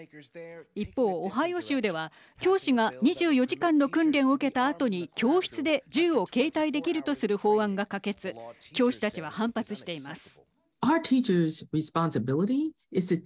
一方、オハイオ州では教師が２４時間の訓練を受けたあとに教室で銃を携帯できるとする法案が可決教師たちは反発しています。